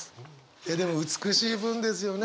えっでも美しい文ですよね